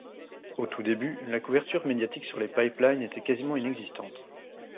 Au tout début la couverture médiatique sur les pipelines était quasiment inexistante.